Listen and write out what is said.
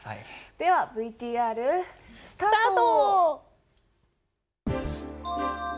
ではＶＴＲ。スタート。